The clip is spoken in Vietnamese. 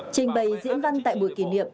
trình bày diễn văn tại buổi kỷ niệm